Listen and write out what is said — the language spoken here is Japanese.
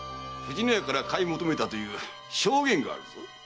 藤乃屋から買い求めたという証言があるぞ。